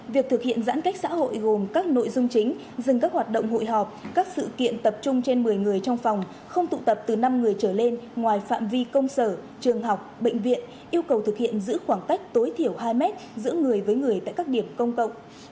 việc thực hiện giãn cách xã hội gồm các nội dung chính dừng các hoạt động hội họp các sự kiện tập trung trên một mươi người trong phòng không tụ tập từ năm người trở lên ngoài phạm vi công sở trường học bệnh viện yêu cầu thực hiện giữ khoảng cách tối thiểu hai mét giữa người với người tại các điểm công cộng